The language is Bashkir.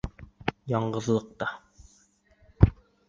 Яңғыҙлыҡта.